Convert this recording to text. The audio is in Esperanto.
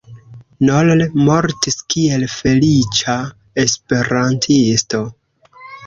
Noll mortis kiel feliĉa esperantisto.